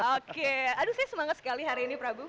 oke aduh saya semangat sekali hari ini prabu